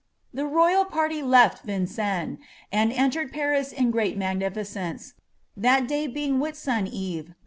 The royal parly left Vin cennes,* and eiilere<l Faria in great ma^ni^cence, that day being Whil ■iin eve.